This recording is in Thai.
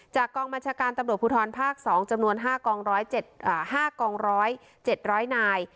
จากกองมัชการตำรวจภูทรภาคสองจำนวนห้ากองร้อยเจ็ดอ่าห้ากองร้อยเจ็ดร้อยนาย